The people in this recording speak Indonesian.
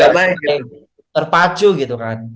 terpacu gitu kan